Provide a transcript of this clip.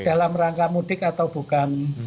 dalam rangka mudik atau bukan